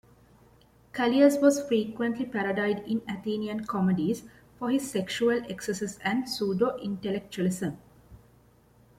Callias was frequently parodied in Athenian comedies for his sexual excesses and pseudo-intellectualism.